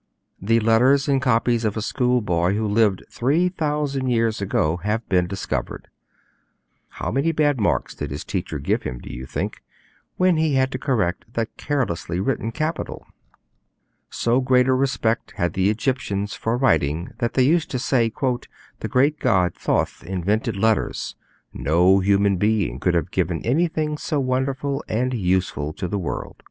The letters and copies of a schoolboy who lived three thousand years ago have been discovered. How many bad marks did his teacher give him, do you think, when he had to correct that carelessly written capital? [Illustration: Schoolboy's copy from ancient Egypt. Notice the teacher's corrections] So great a respect had the Egyptians for writing that they used to say, 'The great god Thoth invented letters; no human being could have given anything so wonderful and useful to the world.'